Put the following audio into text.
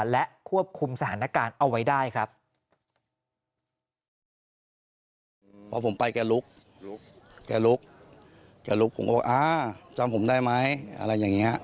และควบคุมสถานการณ์